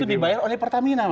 itu dibayar oleh pertamina